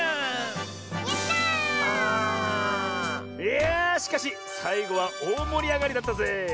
いやあしかしさいごはおおもりあがりだったぜえ。